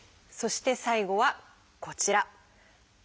そして最後はこちら。